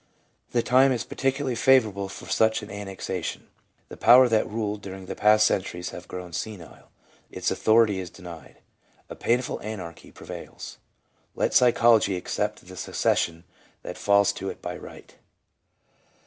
The time is particularly favor able for such an annexation ; the power that ruled during the past centuries has grown senile, its authority is denied ; a painful anarchy prevails. Let psychology accept the succes sion that falls to it by right.